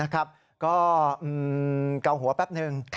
กลางหัวแป๊บหนึ่ง